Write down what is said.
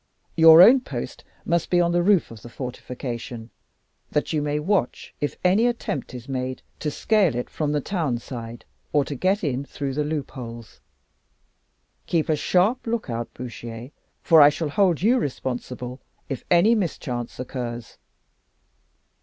Your own post must be on the roof of the fortification, that you may watch if any attempt is made to scale it from the town side, or to get in through the loopholes. Keep a sharp lookout Bouchier, for I shall hold you responsible if any mischance occurs."